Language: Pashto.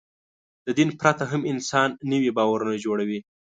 د دین پرته هم انسان نوي باورونه جوړوي.